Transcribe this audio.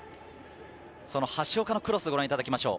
その橋岡のクロスをご覧いただきましょう。